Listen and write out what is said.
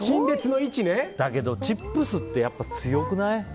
だけどチップスって強くない？